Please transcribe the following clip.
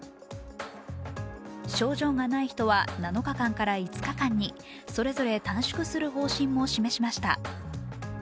症状がない人は７日間から５日間にそれぞれ短縮する方針も示しました。